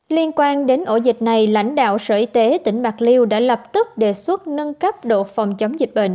liên quan đến ổ dịch này lãnh đạo sở y tế tỉnh bạc liêu đã lập tức đề xuất nâng cấp độ phòng chống dịch bệnh